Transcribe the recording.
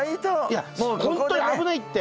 いや本当に危ないって。